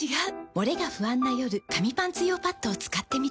モレが不安な夜紙パンツ用パッドを使ってみた。